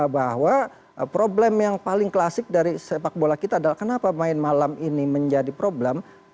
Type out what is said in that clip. bahwa problem yang paling klasik dari sepak bola kita adalah kenapa main malam ini menjadi problem